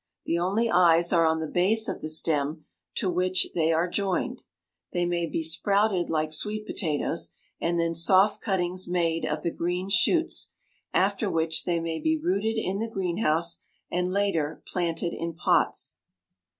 The only eyes are on the base of the stem to which they are joined. They may be sprouted like sweet potatoes and then soft cuttings made of the green shoots, after which they may be rooted in the greenhouse and later planted in pots.